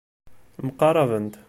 Mqarabent.